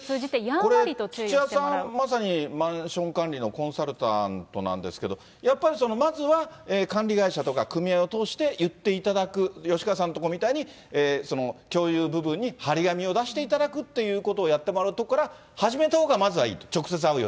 これ、土屋さん、まさにマンション管理のコンサルタントなんですけど、やっぱりまずは管理会社とか組合を通して行っていただく、吉川さんのところみたいに、共有部分に貼り紙を出していただくっていうことをやってもらうところから始めたほうがまずはいいと。